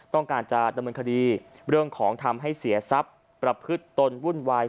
ต้องการจะดำเนินคดีเรื่องของทำให้เสียทรัพย์ประพฤติตนวุ่นวาย